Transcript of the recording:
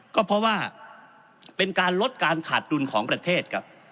ก็เพราะว่าเป็นการลดการขาดดุลของประเทศครับ